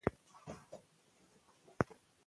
زه هره ورځ د بدن د تطبیق لپاره سونا نه کاروم.